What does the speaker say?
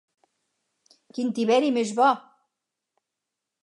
Quin tiberi més bo